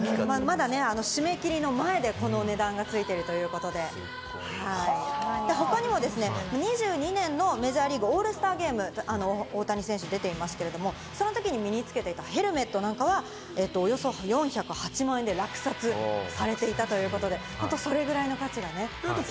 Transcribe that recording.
まだ締め切り前でこの値段がついているということで、他にも２２年のメジャーリーグのオールスターゲーム、大谷選手が出ていますけど、その時に身につけていたヘルメットなんかは、およそ４０８万円で落札されていたということで、それぐらいの価値がね。